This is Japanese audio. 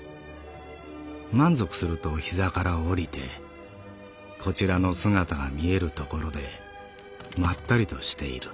満足すると膝から降りてこちらの姿が見えるところでまったりとしている」。